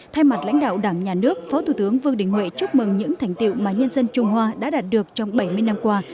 thay mặt lãnh đạo đảng nhà nước phó thủ tướng vương đình huệ chúc mừng những thành tiệu mà nhân dân trung hoa đã đạt được trong bảy mươi năm qua